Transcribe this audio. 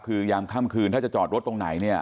คือยามค่ำคืนถ้าจะจอดรถตรงไหนเนี่ย